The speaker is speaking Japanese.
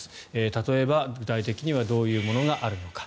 例えば具体的にはどういうものがあるのか。